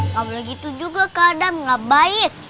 kalau begitu juga kadang nggak baik